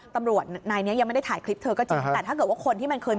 ตำรวจนายนี้ยังไม่ได้ถ่ายคลิปเธอก็จริง